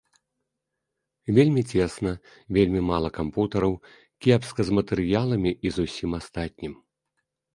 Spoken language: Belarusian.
Вельмі цесна, вельмі мала кампутараў, кепска з матэрыяламі і з усім астатнім.